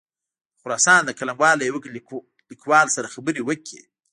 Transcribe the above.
د خراسان د قلموال له یوه لیکوال سره خبرې وکړې.